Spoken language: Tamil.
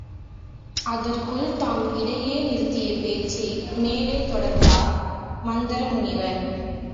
அதற்குள் தாம் இடையே நிறுத்திய பேச்சை மேலே தொடர்ந்தார் மந்தர முனிவர்.